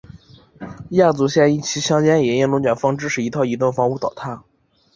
亚祖县伊甸乡间也因龙卷风致使一套移动房屋倒塌。